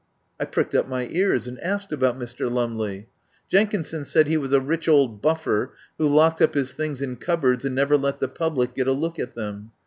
I pricked up my ears and asked about Mr. Lumley. Jenkinson said he was a rich old buffer who locked up his things in cupboards and never let the public get a look at them.